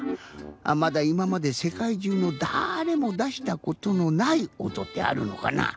まだいままでせかいじゅうのだれもだしたことのないおとってあるのかな？